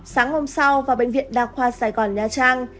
sáng hôm sau vào bệnh viện đa khoa sài gòn nha trang